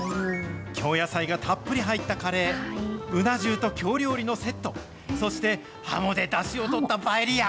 京野菜がたっぷり入ったカレー、うな重と京料理のセット、そしてはもでだしをとったパエリア。